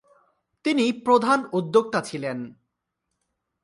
তিনি প্রধান উদ্যোক্তা ছিলেন।